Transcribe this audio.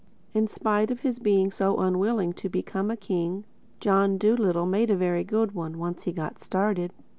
In spite of his being so unwilling to become a king, John Dolittle made a very good one—once he got started.